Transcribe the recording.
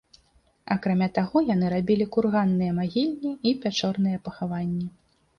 Акрамя таго яны рабілі курганныя магільні і пячорныя пахаванні.